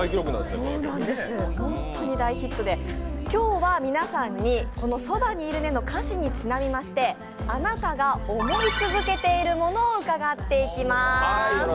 本当に大ヒットで、今日は皆さんにこの「そばにいるね」の歌詞にちなみましてあなたが思い続けているものを伺っていきます。